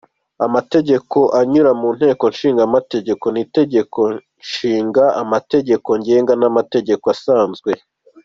Amategeko anyura mu Nteko Ishinga Amategeko ni Itegeko Nshinga, Amategeko Ngenga n’amategeko asanzwe.